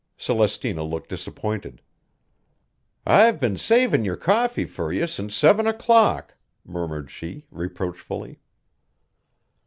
Celestina looked disappointed. "I've been savin' your coffee fur you since seven o'clock," murmured she reproachfully.